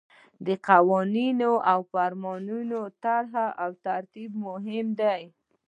د قوانینو او فرمانونو طرح او ترتیب مهم دي.